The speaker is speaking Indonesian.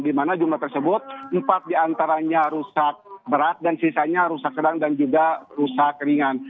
di mana jumlah tersebut empat diantaranya rusak berat dan sisanya rusak sedang dan juga rusak ringan